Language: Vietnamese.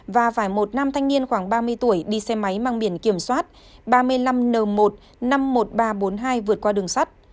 và phải một nam thanh niên khoảng ba mươi tuổi đi xe máy mang biển kiểm soát ba mươi năm n một năm mươi một nghìn ba trăm bốn mươi hai vượt qua đường sắt